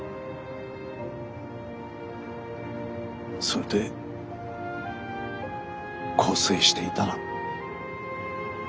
それで更生していたら。